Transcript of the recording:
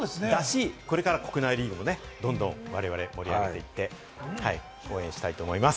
これから国内リーグもどんどん我々盛り上げていって、応援したいと思います。